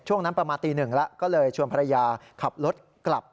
ช่วงนั้นประมาณตีหนึ่งแล้วก็เลยชวนภรรยาขับรถกลับ